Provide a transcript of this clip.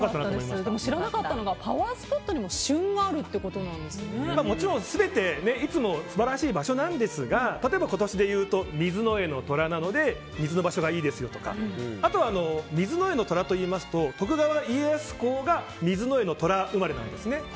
でも、知らなかったのがパワースポットにももちろん全ていつも素晴らしい場所なんですが例えば今年でいうと壬の寅なので水の場所がいいですよとかあとは壬の寅といいますと徳川家康公が壬の寅生まれなんですね。